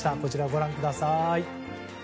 ご覧ください。